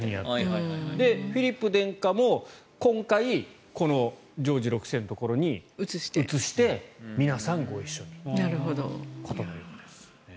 フィリップ殿下も今回このジョージ６世のところに移して、皆さんご一緒にということのようです。